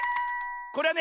これはね